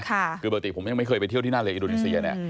คือปกติผมยังไม่เคยไปเที่ยวที่หน้าเลยอินโดนีเซียเนี่ย